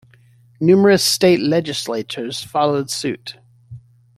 Numerous state legislatures followed suit.